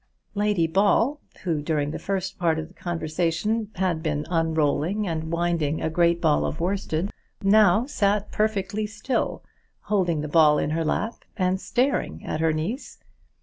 Lady Ball, who during the first part of the conversation had been unrolling and winding a great ball of worsted, now sat perfectly still, holding the ball in her lap, and staring at her niece.